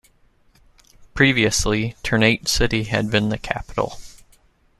Previously, Ternate City had been the capital.